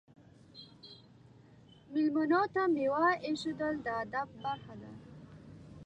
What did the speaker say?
میلمنو ته میوه ایښودل د ادب برخه ده.